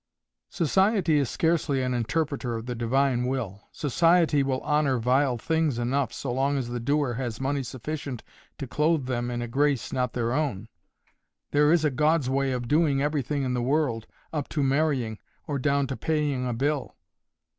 "Society is scarcely an interpreter of the divine will. Society will honour vile things enough, so long as the doer has money sufficient to clothe them in a grace not their own. There is a God's way of doing everything in the world, up to marrying, or down to paying a bill."